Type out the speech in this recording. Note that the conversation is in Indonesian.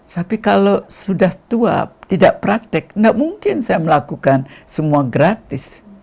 tapi kalau sudah tua tidak praktek tidak mungkin saya melakukan semua gratis